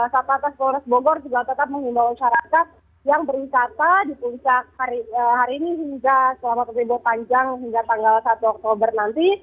sabtu atas polres bogor juga tetap mengimba usara kat yang berinsata di puncak hari ini hingga selama ketimbang panjang hingga tanggal satu oktober nanti